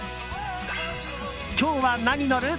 今日はなに乗る？